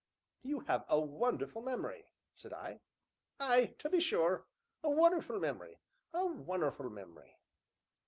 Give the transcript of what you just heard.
"You have a wonderful memory!" said I. "Ay, to be sure; a wunnerful mem'ry, a wunnerful mem'ry!"